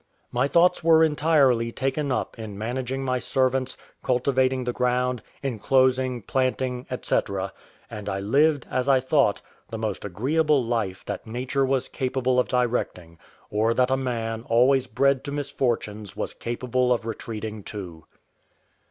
My thoughts were entirely taken up in managing my servants, cultivating the ground, enclosing, planting, &c. and I lived, as I thought, the most agreeable life that nature was capable of directing, or that a man always bred to misfortunes was capable of retreating to.